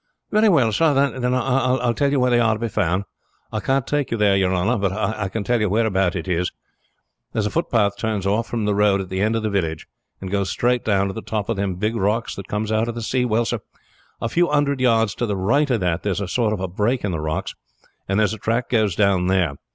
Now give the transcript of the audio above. "Very well, sir; then I will tell you where they are to be found. I can't take you there, your honor, but I can tell you whereabout it is. There is a footpath turns oft from the road at the end of the village, and goes straight down to the top of them big rocks that come out of the sea. Well, sir, a few hundred yards to the right of that there is a sort of break in the rocks, and there is a track goes down there.